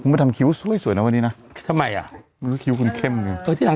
คุณมาทำคิ้วสวยสวยนะวันนี้น่ะทำไมอ่ะคิ้วคุณเข้มเลยเออที่หลัง